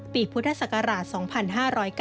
พุทธศักราช๒๕๐๙